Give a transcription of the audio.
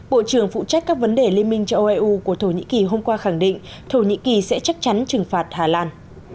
bộ trưởng phụ trách các vấn đề liên minh châu âu eu của thổ nhĩ kỳ hôm qua khẳng định thổ nhĩ kỳ sẽ chắc chắn trừng phạt hà lan